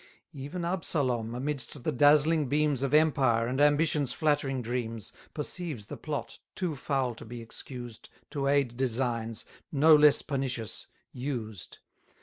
Even Absalom, amidst the dazzling beams Of empire, and ambition's flattering dreams, 120 Perceives the plot, too foul to be excused, To aid designs, no less pernicious, used.